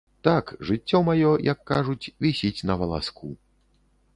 Так, жыццё маё, як кажуць, вісіць на валаску.